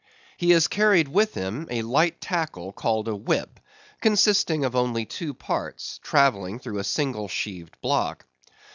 He has carried with him a light tackle called a whip, consisting of only two parts, travelling through a single sheaved block.